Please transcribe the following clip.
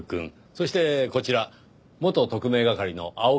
そしてこちら元特命係の青木年男くん。